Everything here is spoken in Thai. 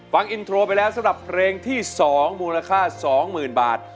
ฟังอินโทรไปแล้วสำหรับเพลงที่๒มูลค่า๒๐๐๐บาท